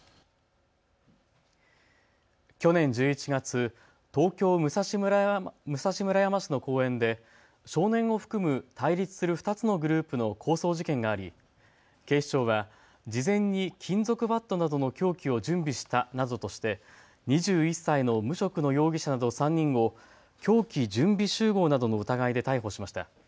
去年１１月、東京武蔵村山市の公園で少年を含む対立する２つのグループの抗争事件があり、警視庁は事前に金属バットなどの凶器を準備したなどとして２１歳の無職の容疑者など３人を凶器準備集合などの疑いで逮捕しました。